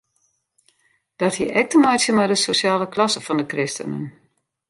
Dat hie ek te meitsjen mei de sosjale klasse fan de kristenen.